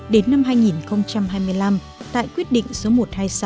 đến năm hai nghìn hai mươi năm tại quyết định số một trăm hai mươi sáu